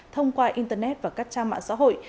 thông qua internet và các trang mạng xã hội